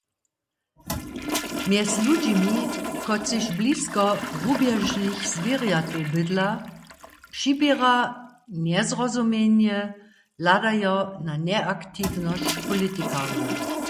Mjez ludźimi, kotřiž blisko rubježnych zwěrjatow bydla, přiběra njezrozumjenje hladajo na njeaktiwnosć politikarjow.